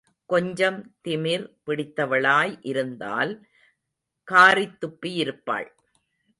கொஞ்சம் திமிர் பிடித்தவளாய் இருந்தால், காறித் துப்பியிருப்பாள்.